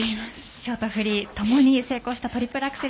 ショート、フリーともに成功したトリプルアクセル